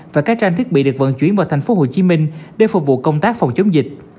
và các trang thiết bị được vận chuyển vào thành phố hồ chí minh để phục vụ công tác phòng chống dịch